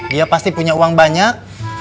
dia pasti punya uang banyak